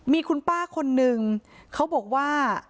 มีคุณป้าคนนึงเขาบอกว่า